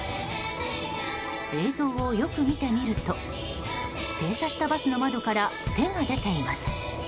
映像をよく見てみると停車したバスの窓から手が出ています。